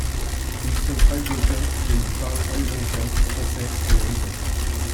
Ils sont Algonquins et ils parlent algonquin, français et anglais.